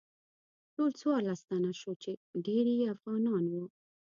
ټول څوارلس تنه شوو چې ډیری یې افغانان وو.